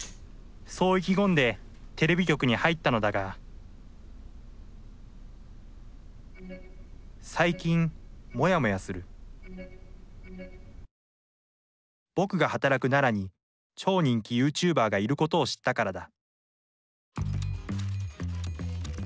そう意気込んでテレビ局に入ったのだが最近モヤモヤする僕が働く奈良に超人気ユーチューバーがいることを知ったからだ